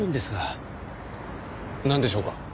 なんでしょうか？